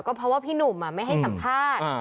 ก็เพราะว่าพี่หนุ่มไม่ให้สัมภาษณ์